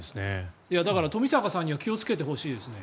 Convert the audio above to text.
だから、冨坂さんには気をつけてほしいですね。